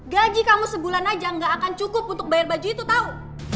gaji kamu sebulan aja gak akan cukup untuk bayar baju itu tahu